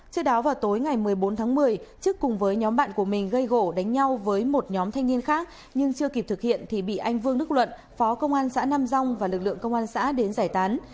trước đó vào tối ngày một mươi bốn tháng một mươi chức cùng với nhóm bạn của mình gây gỗ đánh nhau với một nhóm thanh niên khác nhưng chưa kịp thực hiện thì bị anh vương đức luận phó công an xã nam rong và lực lượng công an xã đến giải tán